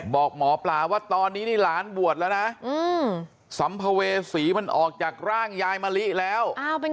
บอกหมอปลาว่าตอนนี้นี่หลานบวชแล้วนะสัมภเวษีมันออกจากร่างยายมะลิแล้ว